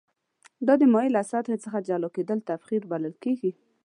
دا د مایع له سطحې څخه جلا کیدل تبخیر بلل کیږي.